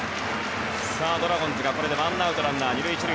ドラゴンズがこれでワンアウトランナー２塁１塁。